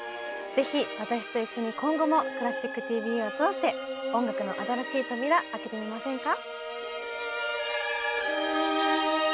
ぜひ私と一緒に今後も「クラシックＴＶ」を通して音楽の新しい扉開けてみませんか？